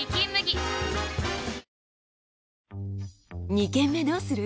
「二軒目どうする？」